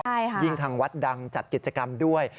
ใช่ค่ะยิ่งทางวัดดังจัดกิจกรรมด้วย